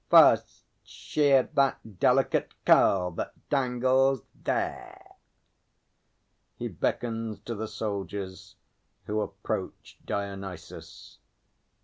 First, shear that delicate curl that dangles there. [He beckons to the soldiers, who approach DIONYSUS.